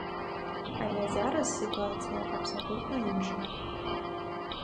Але зараз сітуацыя абсалютна іншая.